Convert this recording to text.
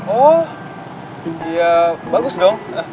oh ya bagus dong